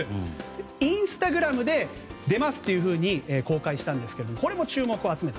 インスタグラムで出ますと公開したんですがこれも注目を集めた。